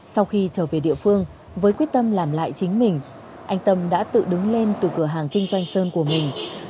sau khi trở về địa phương với quyết tâm làm lại chính mình anh tâm đã tự đứng lên từ cửa hàng kinh doanh sơn của mình